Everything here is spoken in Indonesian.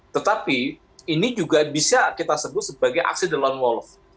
tetapi ini juga bisa kita sebut sebagai aksi the lone wolf